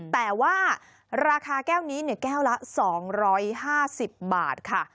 แต่ว่าราคาแก้วนี้แก้วละ๒๕๐บาทค่ะ